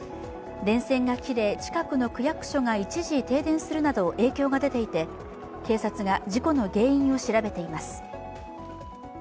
電線が切れ近くの区役所が一時停電するなど影響が出ていて警察が事故の原因を調べています。